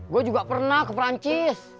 gue juga pernah ke perancis